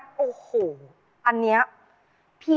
ทั้งคู่พร้อมนะคะ